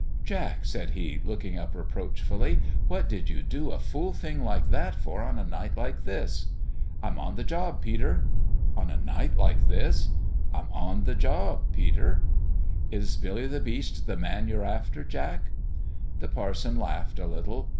" Jack," said he, looking up reproachfully, " what did you do a fool thing like that for on a night like this ?"" I'm on the job, Peter." "On a night like this!" A MIRACLE at PALE PETER'S 299 " I'm on the job, Peter." "Is Billy the Beast the man you're after, Jack?" The parson laughed a little.